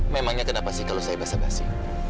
memangnya kenapa sih kalau saya basah basi